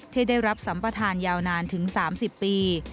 ที่ได้รับสัมประธานยาวนานถึง๓๐ปี